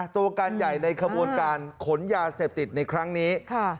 ตัวการใหญ่ในขบวนการขนยาเสพติดในครั้งนี้